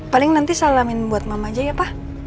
paling nanti salamin buat mama aja ya pak